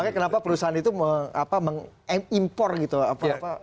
makanya kenapa perusahaan itu mengimpor gitu apa apa pekerjaan pekerjaan